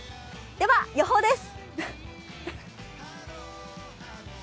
では予報です。